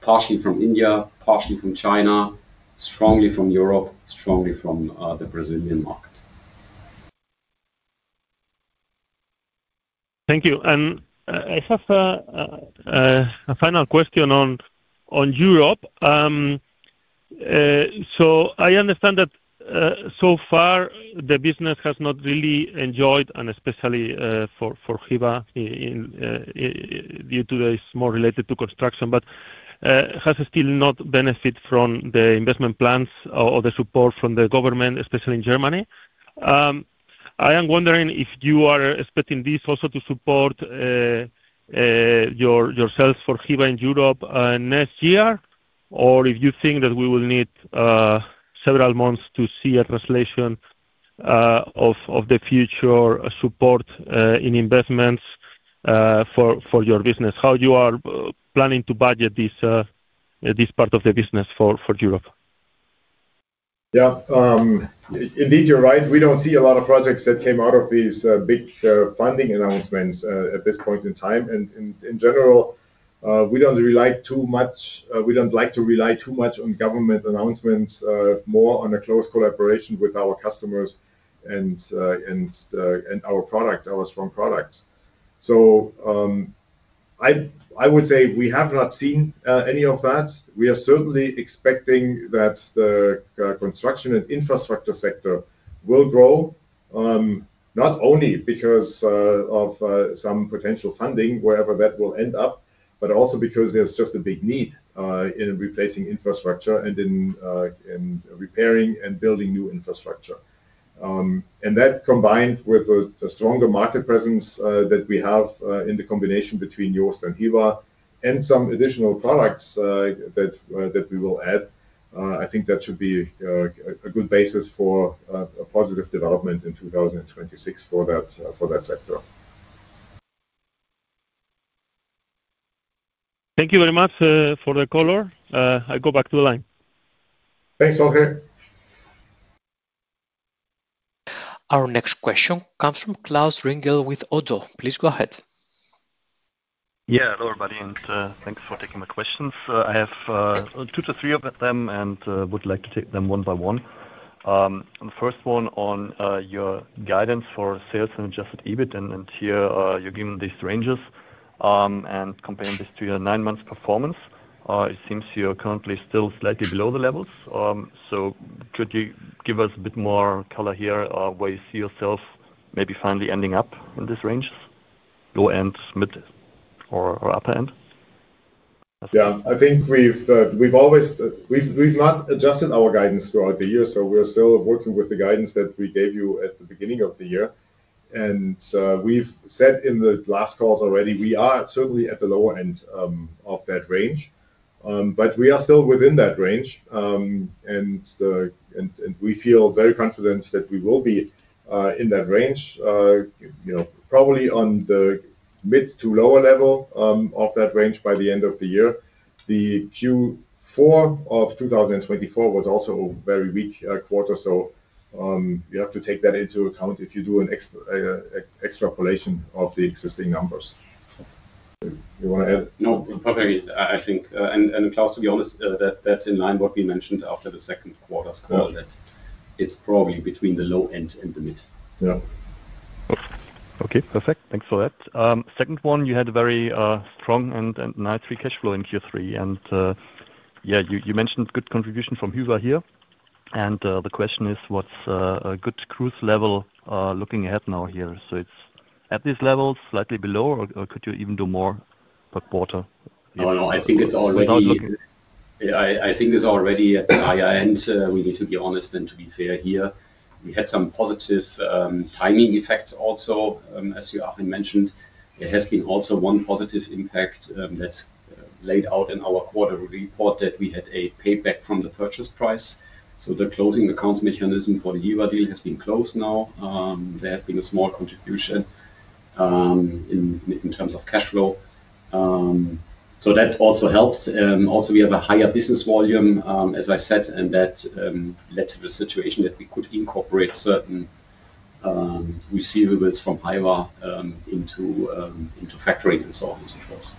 partially from India, partially from China, strongly from Europe, strongly from the Brazilian market. Thank you. I have a final question on Europe. I understand that so far, the business has not really enjoyed, and especially for Hyva due to this more related to construction, but has still not benefited from the investment plans or the support from the government, especially in Germany. I am wondering if you are expecting this also to support your sales for Hyva in Europe next year, or if you think that we will need several months to see a translation of the future support in investments for your business, how you are planning to budget this part of the business for Europe. Yeah. Indeed, you're right. We do not see a lot of projects that came out of these big funding announcements at this point in time. In general, we do not rely too much, we do not like to rely too much on government announcements, more on a close collaboration with our customers and our products, our strong products. I would say we have not seen any of that. We are certainly expecting that the construction and infrastructure sector will grow, not only because of some potential funding, wherever that will end up, but also because there is just a big need in replacing infrastructure and in repairing and building new infrastructure. That combined with the stronger market presence that we have in the combination between JOST and Hyva and some additional products that we will add, I think that should be a good basis for a positive development in 2026 for that sector. Thank you very much for the caller. I go back to the line. Thanks, Jorge. Our next question comes from Klaus Ringel with ODDO. Please go ahead. Yeah, hello, everybody, and thanks for taking my questions. I have two to three of them and would like to take them one by one. The first one on your guidance for sales and adjusted EBIT, and here you're given these ranges and comparing this to your nine-month performance. It seems you're currently still slightly below the levels. Could you give us a bit more color here where you see yourself maybe finally ending up in these ranges, low end, mid, or upper end? Yeah. I think we've always—we've not adjusted our guidance throughout the year, so we're still working with the guidance that we gave you at the beginning of the year. We have said in the last calls already, we are certainly at the lower end of that range, but we are still within that range. We feel very confident that we will be in that range, probably on the mid to lower level of that range by the end of the year. The Q4 of 2024 was also a very weak quarter, so you have to take that into account if you do an extrapolation of the existing numbers. You want to add? No, perfect. I think, and Klaus, to be honest, that is in line with what we mentioned after the second quarter's call, that it is probably between the low end and the mid. Yeah. Okay. Perfect. Thanks for that. Second one, you had a very strong and nice free cash flow in Q3. Yeah, you mentioned good contribution from Hyva here. The question is, what's a good cruise level looking ahead now here? It is at these levels, slightly below, or could you even do more per quarter? No, no. I think it is already—I think it is already at the higher end. We need to be honest and to be fair here. We had some positive timing effects also, as Joachim mentioned. There has been also one positive impact that is laid out in our quarter report that we had a payback from the purchase price. The closing accounts mechanism for the Hyva deal has been closed now. There has been a small contribution in terms of cash flow. That also helps. Also, we have a higher business volume, as I said, and that led to the situation that we could incorporate certain receivables from Hyva into factoring and so on and so forth.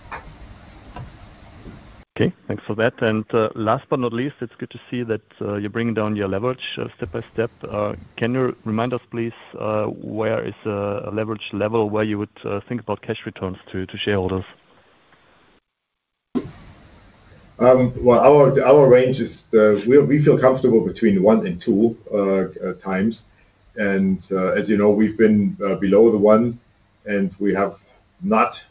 Okay. Thanks for that. Last but not least, it's good to see that you're bringing down your leverage step by step. Can you remind us, please, where is a leverage level where you would think about cash returns to shareholders? Our ranges, we feel comfortable between 1x and 2x. As you know, we've been below the one, and we have not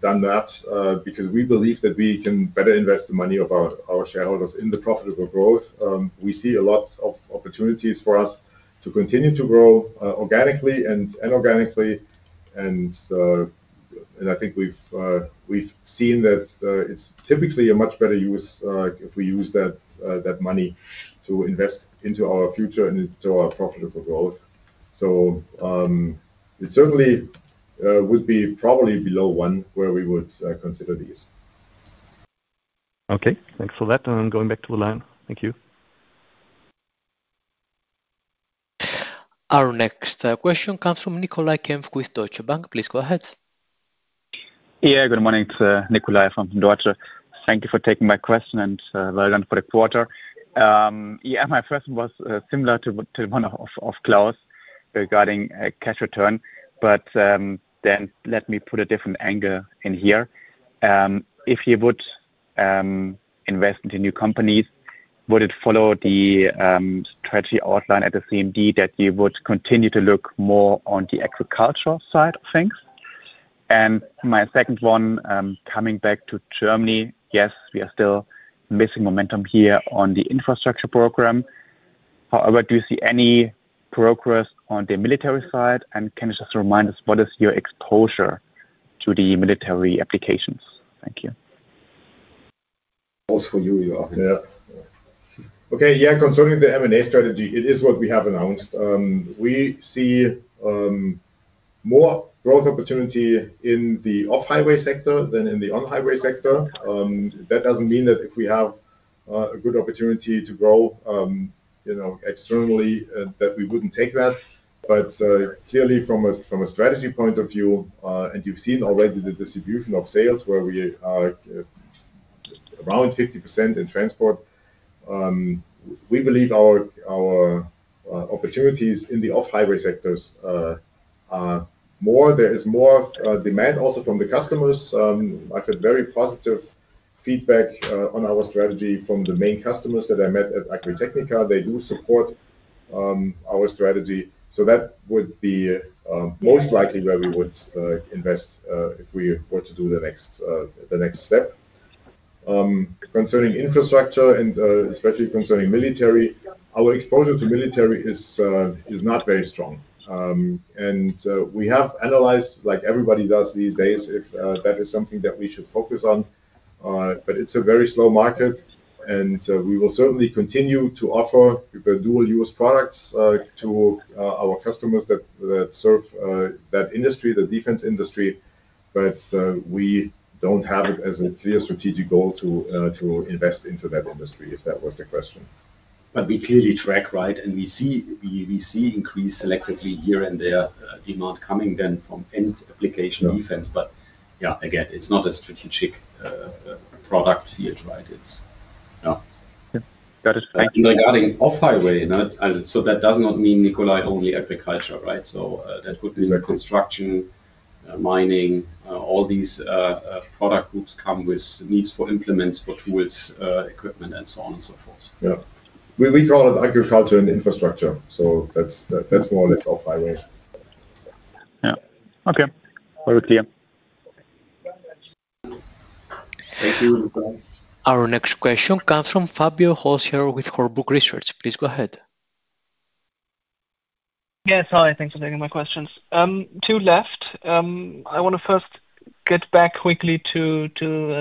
done that because we believe that we can better invest the money of our shareholders in the profitable growth. We see a lot of opportunities for us to continue to grow organically and inorganically. I think we've seen that it's typically a much better use if we use that money to invest into our future and into our profitable growth. It certainly would be probably below one where we would consider these. Okay. Thanks for that. Going back to the line. Thank you. Our next question comes from Nicolai Kempf with Deutsche Bank. Please go ahead. Yeah. Good morning. It's Nicolai from Deutsche. Thank you for taking my question and well done for the quarter. Yeah, my question was similar to the one of Klaus regarding cash return, but let me put a different angle in here. If you would invest into new companies, would it follow the strategy outline at the CMD that you would continue to look more on the agriculture side of things? My second one, coming back to Germany, yes, we are still missing momentum here on the infrastructure program. However, do you see any progress on the military side? Can you just remind us, what is your exposure to the military applications? Thank you. Also you, Joachim. Yeah. Okay. Yeah. Concerning the M&A strategy, it is what we have announced. We see more growth opportunity in the off-highway sector than in the on-highway sector. That does not mean that if we have a good opportunity to grow externally, that we would not take that. Clearly, from a strategy point of view, and you have seen already the distribution of sales where we are around 50% in transport, we believe our opportunities in the off-highway sectors are more. There is more demand also from the customers. I have had very positive feedback on our strategy from the main customers that I met at Agritechnica. They do support our strategy. That would be most likely where we would invest if we were to do the next step. Concerning infrastructure and especially concerning military, our exposure to military is not very strong. We have analyzed, like everybody does these days, if that is something that we should focus on. It is a very slow market, and we will certainly continue to offer dual-use products to our customers that serve that industry, the defense industry. We do not have it as a clear strategic goal to invest into that industry, if that was the question. We clearly track, right? We see increase selectively here and there, demand coming then from end application defense. Again, it is not a strategic product field, right? Yeah. Got it. Thank you. Regarding off-highway, that does not mean, Nicolai, only agriculture, right? That could be construction, mining, all these product groups come with needs for implements, for tools, equipment, and so on and so forth. Yeah. We call it agriculture and infrastructure. That is more or less off-highway. Yeah. Okay. Very clear. Thank you. Our next question comes from Fabio Hölscher with Warburg Research. Please go ahead. Yes. Hi. Thanks for taking my questions. To left, I want to first get back quickly to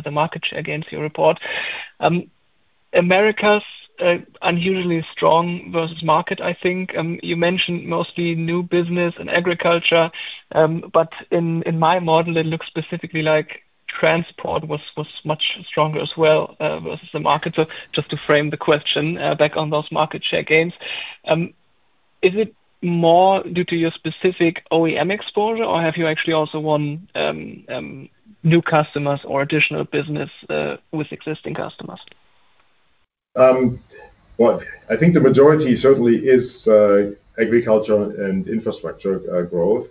the market share against your report. America's unusually strong versus market, I think. You mentioned mostly new business and agriculture. In my model, it looks specifically like transport was much stronger as well versus the market. Just to frame the question back on those market share gains, is it more due to your specific OEM exposure, or have you actually also won new customers or additional business with existing customers? I think the majority certainly is agriculture and infrastructure growth.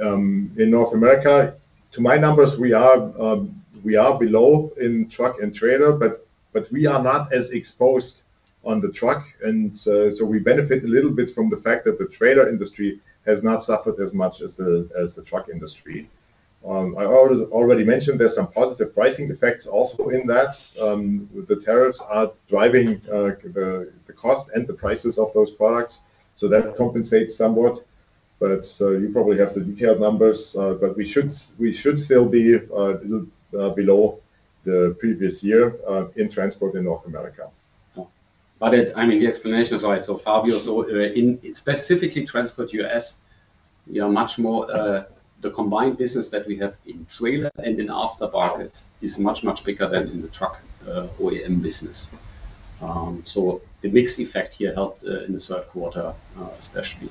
In North America, to my numbers, we are below in truck and trailer, but we are not as exposed on the truck. We benefit a little bit from the fact that the trailer industry has not suffered as much as the truck industry. I already mentioned there are some positive pricing effects also in that. The tariffs are driving the cost and the prices of those products, so that compensates somewhat. You probably have the detailed numbers, but we should still be below the previous year in transport in North America. Got it. I mean, the explanation is all right. Fabio, in specifically transport U.S., much more the combined business that we have in trailer and in aftermarket is much, much bigger than in the truck OEM business. The mixed effect here helped in the third quarter, especially.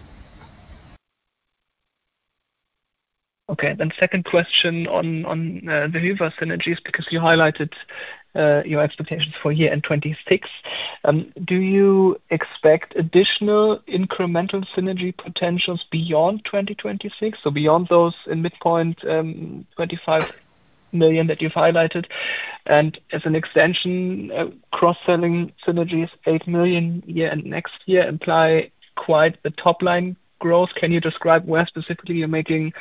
Okay. Second question on the Hyva synergies because you highlighted your expectations for year-end 2026. Do you expect additional incremental synergy potentials beyond 2026, so beyond those in midpoint 25 million that you have highlighted? As an extension, cross-selling synergies, 8 million this year and next year imply quite the top-line growth. Can you describe where specifically you are making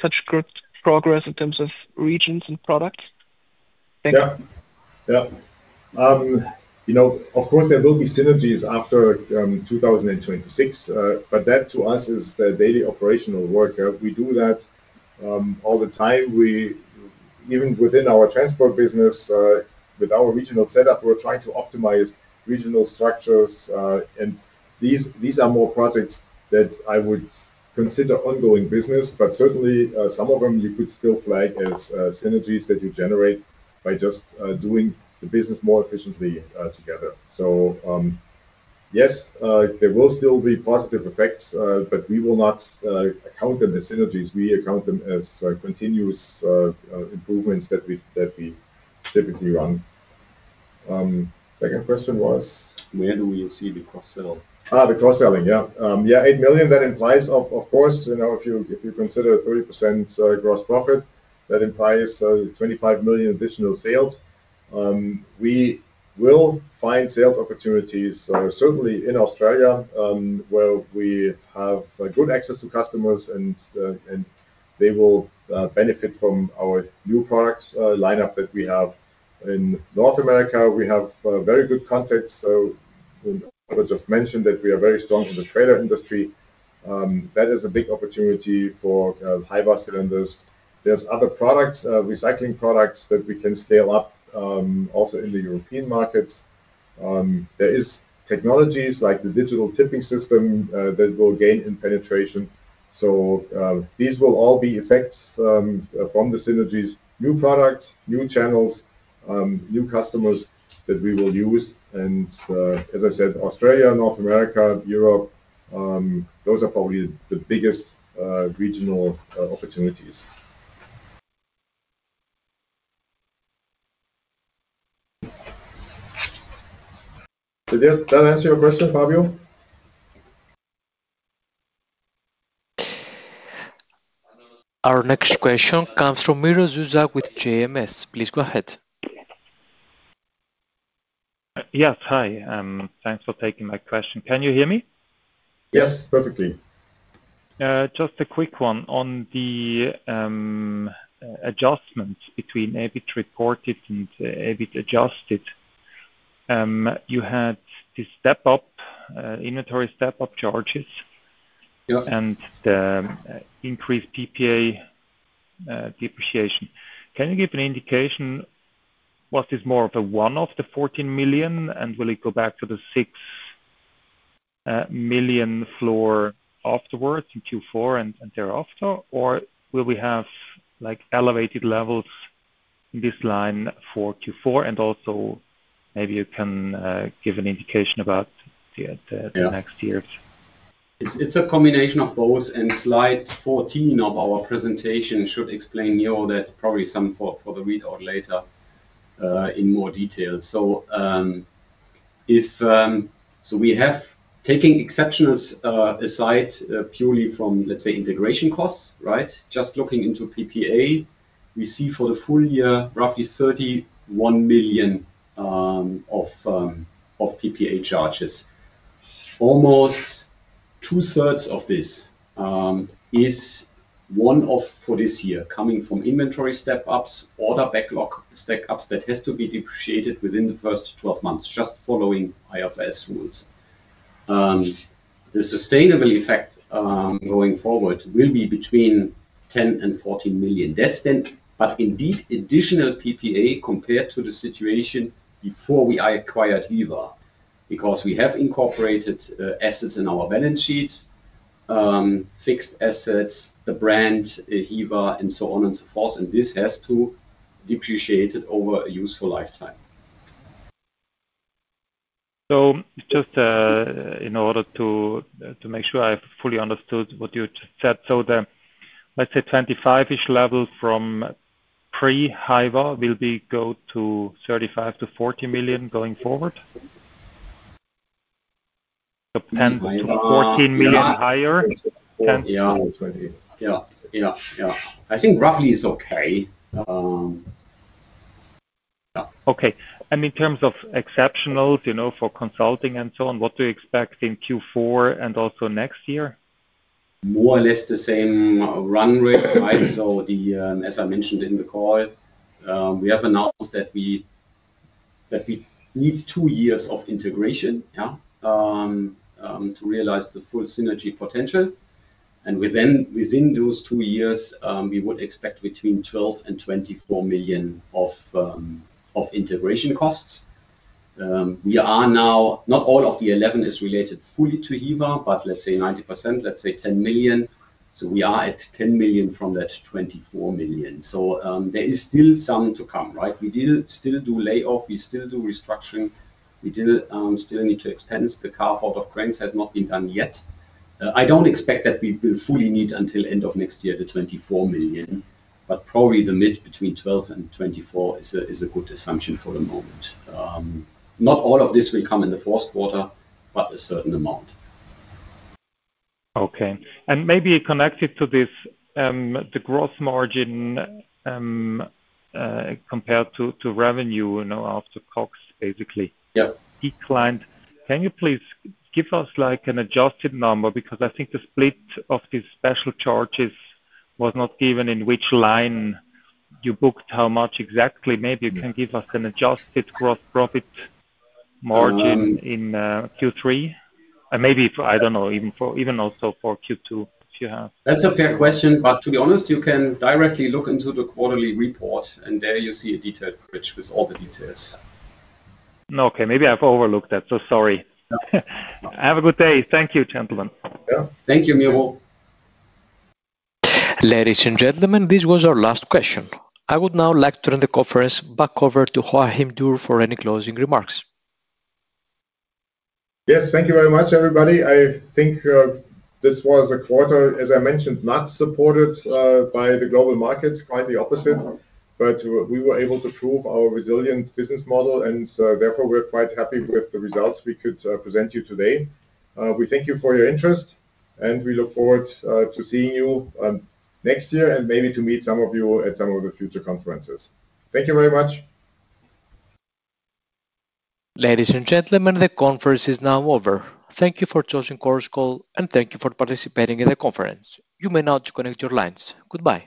such good progress in terms of regions and products? Thank you. Yeah. Yeah. Of course, there will be synergies after 2026, but that to us is the daily operational work. We do that all the time. Even within our transport business, with our regional setup, we are trying to optimize regional structures. These are more projects that I would consider ongoing business, but certainly some of them you could still flag as synergies that you generate by just doing the business more efficiently together. Yes, there will still be positive effects, but we will not count them as synergies. We account them as continuous improvements that we typically run. Second question was? Where do we see the cross-selling? The cross-selling, yeah. Yeah, 8 million, that implies, of course. If you consider 30% gross profit, that implies 25 million additional sales. We will find sales opportunities, certainly in Australia, where we have good access to customers, and they will benefit from our new product lineup that we have. In North America, we have very good contacts. I just mentioned that we are very strong in the trailer industry. That is a big opportunity for Hyva cylinders. There are other products, recycling products that we can scale up also in the European markets. There are technologies like the digital tipping system that will gain in penetration. These will all be effects from the synergies: new products, new channels, new customers that we will use. As I said, Australia, North America, Europe, those are probably the biggest regional opportunities. Did that answer your question, Fabio? Our next question comes from Miro Zuzak with JMS. Please go ahead. Yes. Hi. Thanks for taking my question. Can you hear me? Yes. Perfectly. Just a quick one on the adjustment between EBIT reported and EBIT adjusted. You had the inventory step-up charges and the increased PPA depreciation. Can you give an indication? Was this more of a one of the 14 million, and will it go back to the 6 million floor afterwards in Q4 and thereafter? Or will we have elevated levels in this line for Q4? Also maybe you can give an indication about the next years. It's a combination of both, and slide 14 of our presentation should explain more of that, probably some for the read-out later in more detail. We have, taking exceptionals aside purely from, let's say, integration costs, right? Just looking into PPA, we see for the full year, roughly 31 million of PPA charges. Almost two-thirds of this is one-off for this year coming from inventory step-ups, order backlog step-ups that has to be depreciated within the first 12 months just following IFRS rules. The sustainable effect going forward will be between 10 million and 14 million. Indeed, additional PPA compared to the situation before we acquired Hyva because we have incorporated assets in our balance sheet, fixed assets, the brand, Hyva, and so on and so forth. This has to depreciate over a useful lifetime. Just in order to make sure I fully understood what you just said, let's say 25 million-ish levels from pre-Hyva will go to 35 million-40 million going forward? So 10 million-14 million higher? Yeah. Yeah. Yeah. Yeah. I think roughly is okay. Yeah. Okay. In terms of exceptionals for consulting and so on, what do you expect in Q4 and also next year? More or less the same run rate, right? As I mentioned in the call, we have announced that we need two years of integration to realize the full synergy potential. Within those two years, we would expect between 12 million and 24 million of integration costs. Now, not all of the 11 million is related fully to Hyva, but let's say 90%, let's say 10 million. We are at 10 million from that 24 million, so there is still some to come, right? We still do layoff. We still do restructuring. We still need to expense. The carve-out of cranes has not been done yet. I do not expect that we will fully need until end of next year the 24 million, but probably the mid between 12 million and 24 million is a good assumption for the moment. Not all of this will come in the fourth quarter, but a certain amount. Okay. Maybe connected to this, the gross margin compared to revenue after COGS basically declined. Can you please give us an adjusted number? Because I think the split of these special charges was not given in which line you booked how much exactly. Maybe you can give us an adjusted gross profit margin in Q3? Maybe, I do not know, even also for Q2 if you have. That is a fair question, but to be honest, you can directly look into the quarterly report, and there you see a detailed bridge with all the details. Okay. Maybe I have overlooked that. So sorry. Have a good day. Thank you, gentlemen. Yeah. Thank you, Miro. Ladies and gentlemen, this was our last question. I would now like to turn the conference back over to Joachim Dürr for any closing remarks. Yes. Thank you very much, everybody. I think this was a quarter, as I mentioned, not supported by the global markets, quite the opposite. We were able to prove our resilient business model, and therefore we're quite happy with the results we could present you today. We thank you for your interest, and we look forward to seeing you next year and maybe to meet some of you at some of the future conferences. Thank you very much. Ladies and gentlemen, the conference is now over. Thank you for choosing Chorus Call, and thank you for participating in the conference. You may now connect your lines. Goodbye.